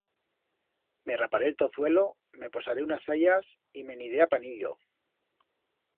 Me raparé el tozuelo, me posaré unas sayas y me'n iré a Panillo.